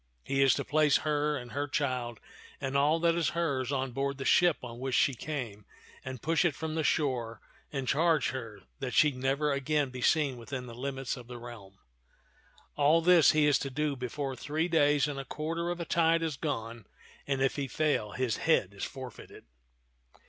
He is to place her and her child and all that is hers on board the ship on which she came and push it from the shore and charge her that she never again be seen within the limits of the realm. All this he is to do before three days and a quarter of a tide have gone; and if he fail, his head is forfeited."